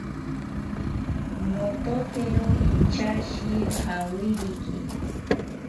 Nototero inchashi jawiriki